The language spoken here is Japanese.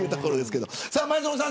前園さん